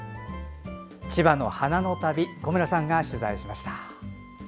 千葉の花の旅小村さんが取材しました。